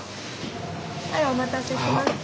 はいお待たせしました。